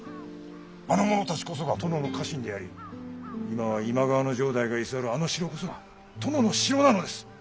あの者たちこそが殿の家臣であり今は今川の城代が居座るあの城こそが殿の城なのです！